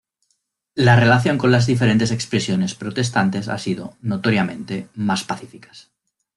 La relación con las diferentes expresiones protestantes ha sido, notoriamente, más pacíficas.